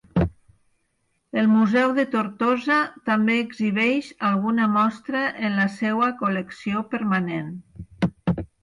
El Museu de Tortosa també exhibeix alguna mostra en la seua col·lecció permanent.